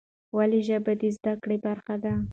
ولې ژبه د زده کړې برخه ده؟